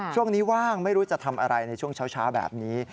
ว่างไม่รู้จะทำอะไรในช่วงเช้าแบบนี้